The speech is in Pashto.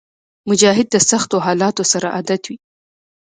مجاهد د سختو حالاتو سره عادت وي.